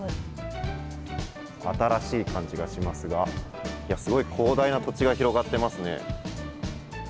新しい感じがしますが、すごい広大な土地が広がっていますね。